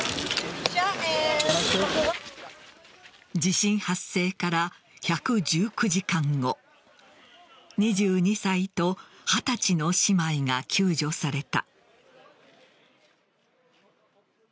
地震発生から１１９時間後２２歳と２０歳の姉妹が救助された。